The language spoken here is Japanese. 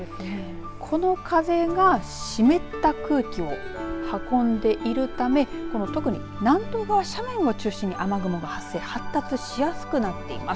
この風が湿った空気を運んでいるため、特に南東側斜面を中心に雨雲が発生発達しやすくなっています。